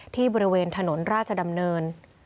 ที่บริเวณถนนราชดำเนิน